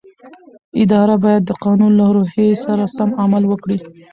اداره باید د قانون له روحیې سره سم عمل وکړي.